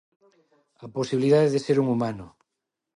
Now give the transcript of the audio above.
A posibilidade de ser un humano.